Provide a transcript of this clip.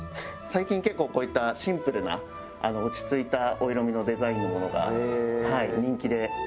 最近結構こういったシンプルな落ち着いたお色味のデザインのものが人気で。